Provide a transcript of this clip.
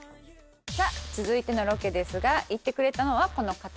さあ続いてのロケですが行ってくれたのはこの方たちです。